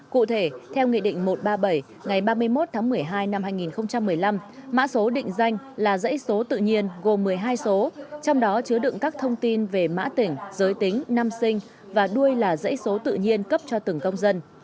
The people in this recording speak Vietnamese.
cụ thể theo nghị định một trăm ba mươi bảy ngày ba mươi một tháng một mươi hai năm hai nghìn một mươi năm mã số định danh là dãy số tự nhiên gồm một mươi hai số trong đó chứa đựng các thông tin về mã tỉnh giới tính năm sinh và đuôi là dãy số tự nhiên cấp cho từng công dân